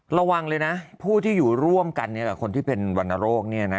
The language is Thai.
ระวังเลยนะผู้ที่อยู่ร่วมกันคนที่เป็นวรรณโรคเนี่ยนะ